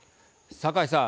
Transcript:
酒井さん。